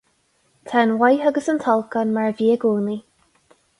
Tá an mhaith agus an t-olc ann mar bhí i gcónaí.